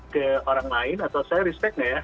ke orang lain atau saya respect nggak ya